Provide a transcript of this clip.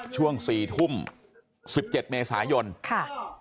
ช่วง๔ทุ่ม๑๗เมษายนค่ะ